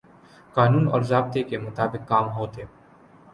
قانون اور ضابطے کے مطابق کام ہوتے۔